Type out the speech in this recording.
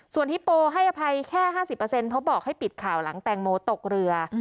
ส่วนฮิปโปให้อภัยแค่๕๐เพราะบอกให้ปิดข่าวหลังแตงโมตกเรือ